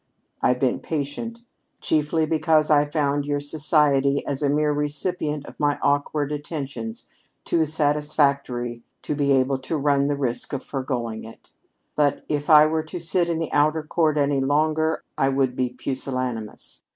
I've been patient, chiefly because I found your society, as a mere recipient of my awkward attentions, too satisfactory to be able to run the risk of foregoing it. But if I were to sit in the outer court any longer I would be pusillanimous.